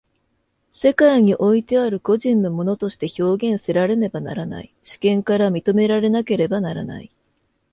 世界においてある個人の物として表現せられねばならない、主権から認められなければならない。